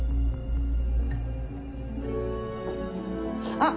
あっ！